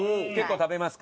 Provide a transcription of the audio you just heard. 食べます！